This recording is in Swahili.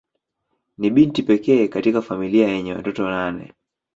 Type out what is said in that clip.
Ni binti pekee katika familia yenye watoto nane.